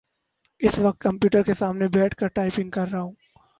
اس وقت کمپیوٹر کے سامنے بیٹھ کر ٹائپنگ کر رہا ہوں